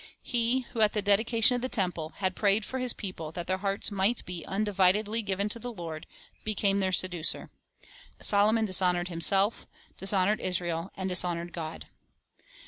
He who at the dedica tion of the temple had prayed for his people that their hearts might be undividedly given to the Lord, became their seducer. Solomon dishonored himself, dishonored Israel, and dishonored God.